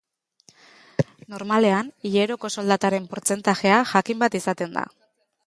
Normalean hileroko soldataren portzentajea jakin bat izaten da.